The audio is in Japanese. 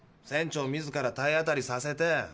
船長自ら体当たりさせて。